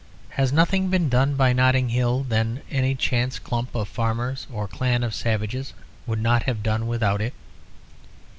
Has nothing been done by Notting Hill than any chance clump of farmers or clan of savages would not have done without it?